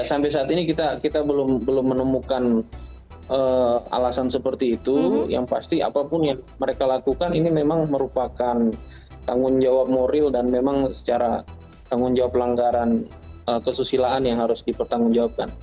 apa yang mereka lakukan seperti itu yang pasti apapun yang mereka lakukan ini memang merupakan tanggung jawab moral dan memang secara tanggung jawab pelanggaran kesusilaan yang harus dipertanggung jawabkan